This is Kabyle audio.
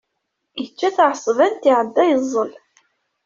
Yečča taεṣebant, iεedda yeẓẓel.